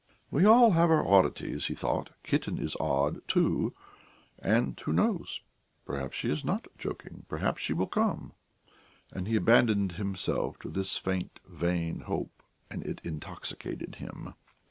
"We all have our oddities," he thought. "Kitten is odd, too; and who knows? perhaps she is not joking, perhaps she will come"; and he abandoned himself to this faint, vain hope, and it intoxicated him.